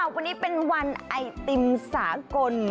วันนี้เป็นวันไอติมสากล